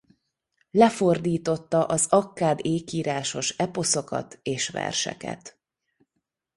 Lefordította az akkád ékírásos eposzokat és verseket.